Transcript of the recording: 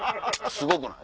すごくない？